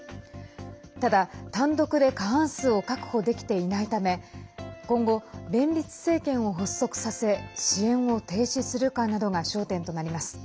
ただ、単独で過半数を確保できていないため今後、連立政権を発足させ支援を停止するかなどが焦点となります。